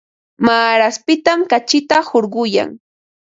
Maaraspitam kachita hurquyan.